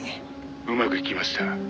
「うまくいきました。